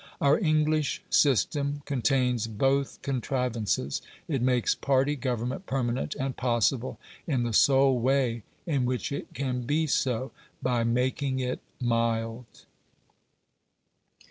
Our English system contains both contrivances; it makes party government permanent and possible in the sole way in which it can be so, by making it mild.